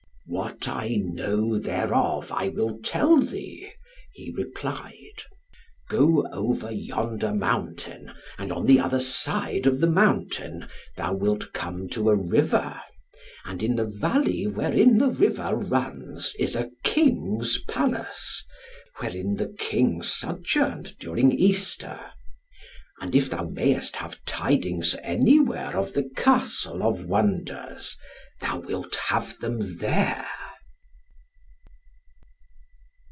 "What I know thereof, I will tell thee," he replied. "Go over yonder mountain, and on the other side of the mountain thou wilt come to a river, and in the valley wherein the river runs is a King's Palace, wherein the King sojourned during Easter. And if thou mayest have tidings anywhere of the Castle of Wonders, thou wilt have them there."